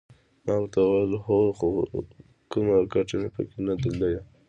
ما ورته وویل هو خو کومه ګټه مې پکې نه ده لیدلې.